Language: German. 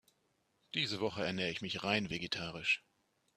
Diese Woche ernähre ich mich rein vegetarisch.